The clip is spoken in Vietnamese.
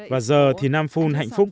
và giờ thì nam phun hạnh phúc